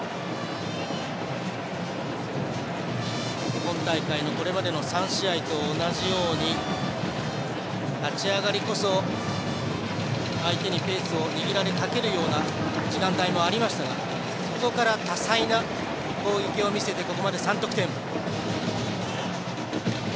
今大会のこれまでの３試合と同じように立ち上がりこそ、相手にペースを握られかけるような時間帯もありましたがそこから多彩な攻撃を見せてここまで３得点。